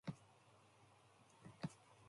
It is adjacent to the square of Chiu Chiu.